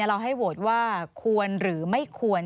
เราให้โหวตว่าควรหรือไม่ควร